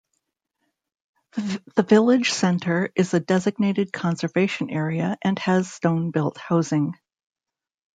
The village centre is a designated conservation area and has stone built housing.